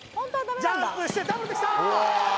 ジャンプしてダブルできた！